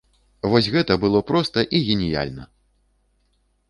Вось гэта было проста і геніяльна!